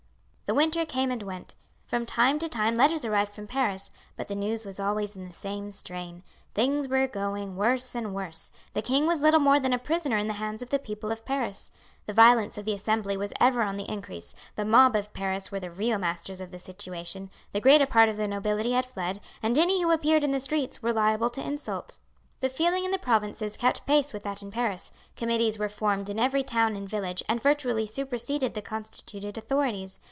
The winter came and went. From time to time letters arrived from Paris, but the news was always in the same strain. Things were going worse and worse, the king was little more than a prisoner in the hands of the people of Paris. The violence of the Assembly was ever on the increase, the mob of Paris were the real masters of the situation, the greater part of the nobility had fled, and any who appeared in the streets were liable to insult. The feeling in the provinces kept pace with that in Paris. Committees were formed in every town and village and virtually superseded the constituted authorities.